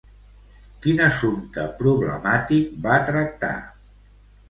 Quin assumpte problemàtic va tractar?